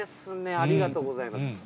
ありがとうございます。